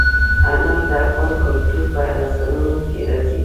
انار د افغان کلتور په داستانونو کې راځي.